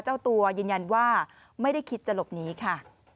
เจ้าตัวยืนยันว่าไม่ได้คิดจะหลบหนีค่ะ